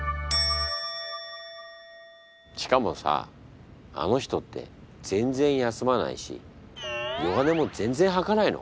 しかもさあの人って全然休まないし弱音も全然はかないの。